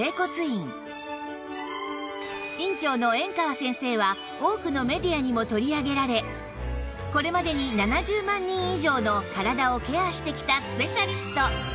院長の圓川先生は多くのメディアにも取り上げられこれまでに７０万人以上の体をケアしてきたスペシャリスト